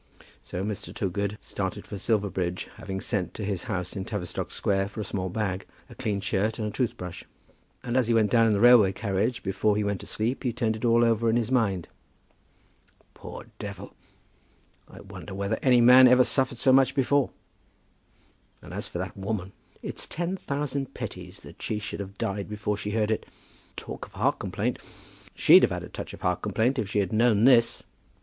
So Mr. Toogood started for Silverbridge, having sent to his house in Tavistock Square for a small bag, a clean shirt, and a toothbrush. And as he went down in the railway carriage, before he went to sleep, he turned it all over in his mind. "Poor devil! I wonder whether any man ever suffered so much before. And as for that woman, it's ten thousand pities that she should have died before she heard it. Talk of heart complaint; she'd have had a touch of heart complaint if she had known this!"